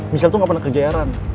michelle tuh gak pernah kegayaran